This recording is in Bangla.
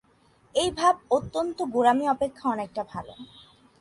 এই ভাব অন্তত গোঁড়ামি অপেক্ষা অনেকটা ভাল।